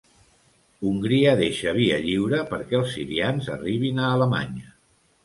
Hongria deixa via lliure perquè els sirians arribin a Alemanya